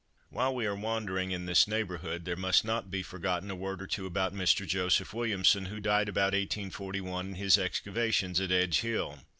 While we are wandering in this neighbourhood there must not be forgotten a word or two about Mr. Joseph Williamson (who died about 1841) and his excavations at Edge hill.